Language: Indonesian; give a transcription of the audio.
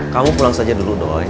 kamu pulang saja dulu dong